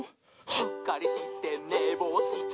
「うっかりしてねぼうして」